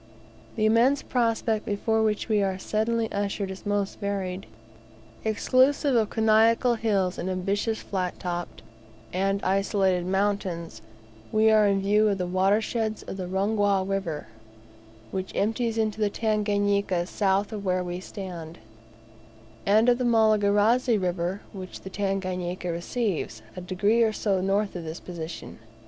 The immense prospect before which we are suddenly ushered is most varied; exclusive of conical hills and ambitious flat topped and isolated mountains, we are in view of the watersheds of the Rungwa River, which empties into the Tanganika south of where we stand, and of the Malagarazi River, which the Tanganika receives, a degree or so north of this position.